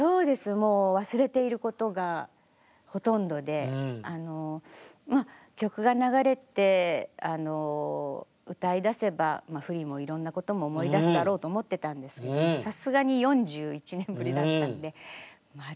もう忘れていることがほとんどで曲が流れて歌いだせば振りもいろんなことも思い出すだろうと思ってたんですけどハハハハハハ。